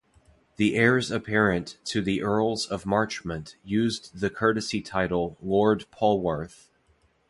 The heirs apparent to the Earls of Marchmont used the courtesy title Lord Polwarth.